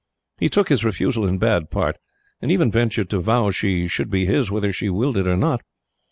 He took his refusal in bad part, and even ventured to vow she should be his whether she willed it or not.